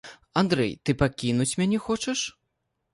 Андрэй, ты пакінуць мяне хочаш?